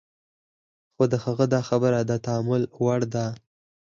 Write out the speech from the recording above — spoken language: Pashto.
خو د هغه دا خبره د تأمل وړ ده.